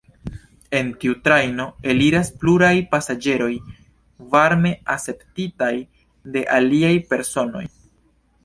El tiu trajno eliras pluraj pasaĝeroj, varme akceptitaj de aliaj personoj.